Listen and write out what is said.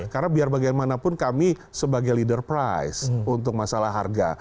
karena biar bagaimanapun kami sebagai leader price untuk masalah harga